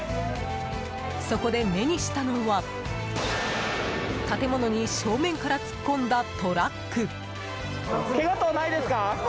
そこで目にしたのは、建物に正面から突っ込んだトラック。